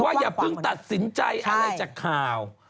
อย่าเพิ่งตัดสินใจอะไรจากข่าว